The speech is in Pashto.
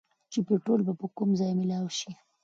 چې پيټرول به کوم ځايې مېلاؤ شي